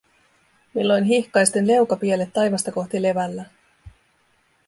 Milloin hihkaisten leukapielet taivasta kohti levällään.